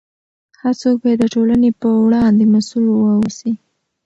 هر څوک باید د ټولنې په وړاندې مسؤل واوسي.